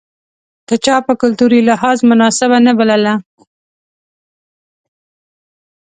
که چا په کلتوري لحاظ مناسبه نه بلله.